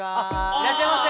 いらっしゃいませ。